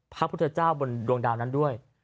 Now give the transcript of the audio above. พระพุทธเจ้าบนดวงดาวนั้นด้วย